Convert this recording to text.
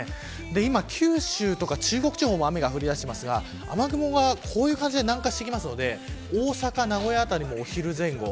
今、九州とか中国地方も雨が降り出していますが雨雲が南下してくるので大阪名古屋辺りもお昼前後